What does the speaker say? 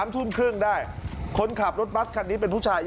ทุ่มครึ่งได้คนขับรถบัสคันนี้เป็นผู้ชาย